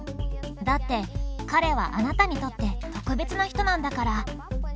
だって彼はあなたにとって特別な人なんだから。